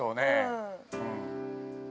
うん。